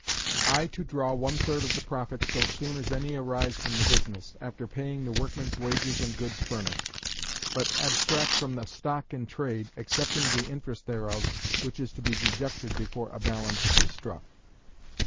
I to draw one third of the profits so soon as any arise from the business, after paying the workmen's wages and goods furnished, but abstract from the stock in trade, excepting the interest thereof, which is to be deducted before a balance is struck.